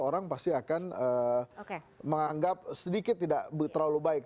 orang pasti akan menganggap sedikit tidak terlalu baik